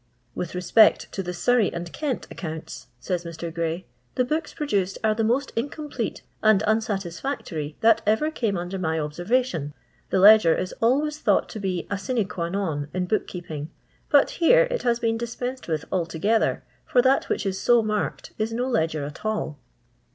" With respect to the Surreif attd Kent ac counts," says Mr. Grey, " the books produced are the most incomplete and unsatisfactory that ever came under my observation. The ledger is always thought to be a sine pi& non in book keeping ; but here it has been dispensed with altogether, for that which is so marked is no ledger at all."